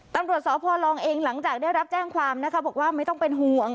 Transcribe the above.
ตำรวจสพลองเองหลังจากได้รับแจ้งความนะคะบอกว่าไม่ต้องเป็นห่วง